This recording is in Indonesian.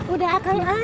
udah akan ah